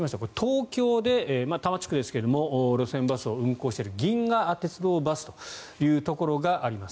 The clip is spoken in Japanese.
東京の多摩地区ですが路線バスを運行している銀河鉄道バスというところがあります。